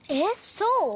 そう？